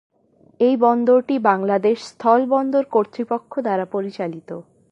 এই বন্দরটি বাংলাদেশ স্থলবন্দর কর্তৃপক্ষ দ্বারা পরিচালিত।